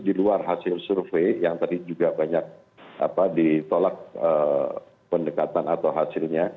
di luar hasil survei yang tadi juga banyak ditolak pendekatan atau hasilnya